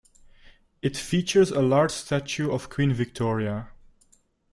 It features a large statue of Queen Victoria.